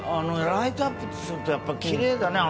ライトアップするとやっぱきれいだね。